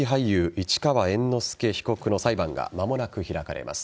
市川猿之助被告の裁判が間もなく開かれます。